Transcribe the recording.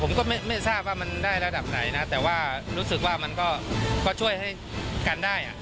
ผมก็ไม่ทราบว่ามันได้ระดับไหนนะแต่ว่ารู้สึกว่ามันก็ช่วยให้กันได้อ่ะ